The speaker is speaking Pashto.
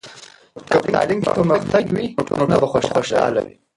که په تعلیم کې پرمختګ وي، نو ټولنه به خوشحاله وي.